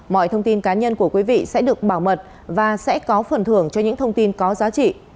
mọi thông tin cá nhân của quý vị sẽ được bảo mật và sẽ có phần thưởng cho những thông tin có giá trị